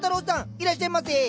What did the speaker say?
いらっしゃいませ！